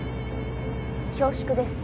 恐縮です。